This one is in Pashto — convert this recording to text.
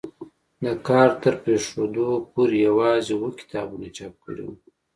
د کار تر پرېښودو پورې یوازې اووه کتابونه چاپ کړي وو.